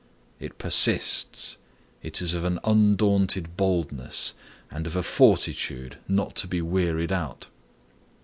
It persists; it is of an undaunted boldness and of a fortitude not to be wearied out.